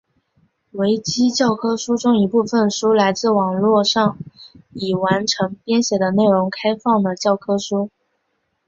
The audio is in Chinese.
维基教科书中一部分书来自网路上已完成编写的内容开放的教科书。